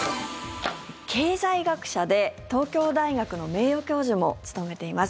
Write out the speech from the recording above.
経済学者で東京大学の名誉教授も務めています。